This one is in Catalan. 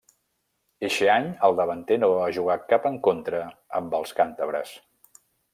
Eixe any, el davanter no va jugar cap encontre amb els càntabres.